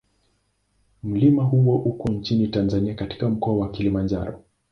Mlima huo uko nchini Tanzania katika Mkoa wa Kilimanjaro.